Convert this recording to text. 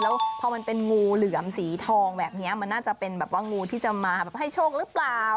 แล้วพอมันเป็นงูเหลือมสีทองแบบนี้มันน่าจะเป็นแบบว่างูที่จะมาแบบให้โชคหรือเปล่า